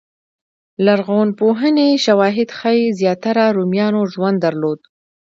لرغونپوهنې شواهد ښيي زیاتره رومیانو ژوند درلود